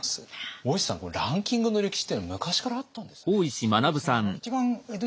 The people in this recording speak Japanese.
大石さんランキングの歴史っていうのは昔からあったんですね。